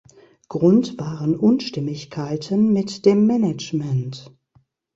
Grund waren Unstimmigkeiten mit dem Management.